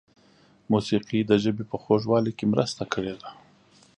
موسیقۍ د ژبې په خوږوالي کې مرسته کړې ده.